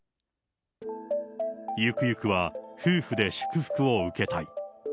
ゆくゆくは、夫婦で祝福を受けたい。